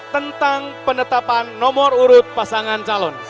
tentang penetapan nomor urut pasangan calon